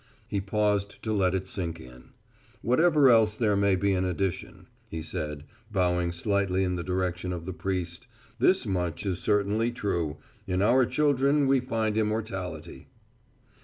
He paused to let it sink in. "Whatever else there may be in addition," he said, bowing slightly in the direction of the priest, "this much is certain true in our children we find immortality."